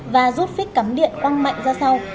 và rút phít cắm điện quăng mạnh ra sau